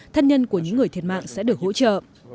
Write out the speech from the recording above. thân nhân của những người thiệt mạng sẽ được hỗ trợ